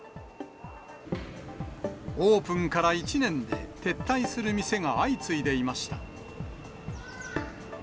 オープンから１年で撤退する店が相次いでいました。